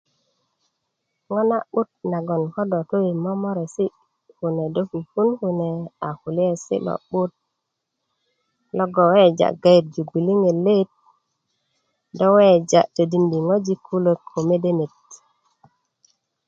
ŋo na'but na goŋ ko dó tu momoresi nagoŋ dó pupun kune a kulyesi lo 'but logoŋ weweja gareju na gbweliŋet let dó wewejá todindi ŋojik kulak ko mede net